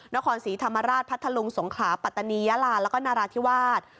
นครศรีธรรมราชพัทธลุงสงขลาปัตตานียาลาแล้วก็นราธิวาส